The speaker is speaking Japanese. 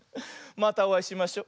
またおあいしましょ。